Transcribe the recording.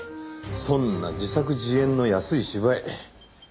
そんな自作自演の安い芝居。